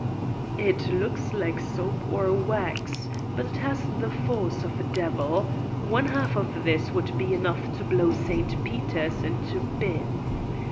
'* It looks like soap or wax. But it has the force of a devil. One half of this would be enough to blow St. Peter's into bits.